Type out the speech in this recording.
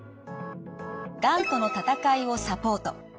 「がんとの闘いをサポート」。